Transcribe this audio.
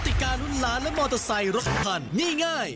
ติการุ้นล้านและมอเตอร์ไซค์รถคันนี่ง่าย